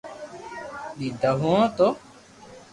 ڏیڌا